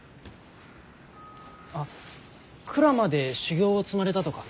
あっ鞍馬で修行を積まれたとか。